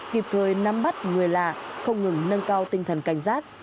kịp thời nắm bắt người lạ không ngừng nâng cao tinh thần cảnh giác